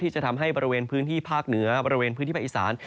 จะทำให้บริเวณพื้นที่ภาคเหนือบริเวณพื้นที่ภาคอีสาน